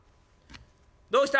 「どうした？